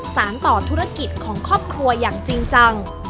สารต่อธุรกิจของครอบครัวอย่างจริงจัง